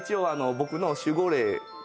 「僕の守護霊」？